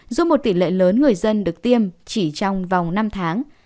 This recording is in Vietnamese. giúp một tỷ lệ lớn người dân được tiêm chỉ trong vòng năm tháng